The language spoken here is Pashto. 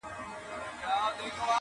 څوك به اوښكي تويوي پر مينانو٫